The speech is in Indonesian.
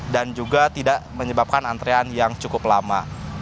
dan juga tidak menyebabkan antrean yang cukup lama